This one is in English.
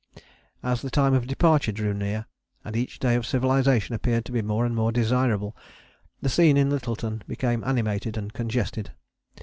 As the time of departure drew near, and each day of civilization appeared to be more and more desirable, the scene in Lyttelton became animated and congested.